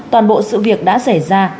toàn bộ sự việc đã xảy ra